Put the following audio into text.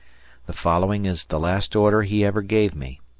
The following is the last order he ever gave me.